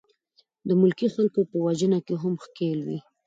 د ملکي خلکو په وژنه کې هم ښکېل وې.